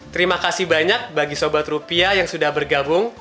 terima kasih banyak bagi sobat rupiah yang sudah bergabung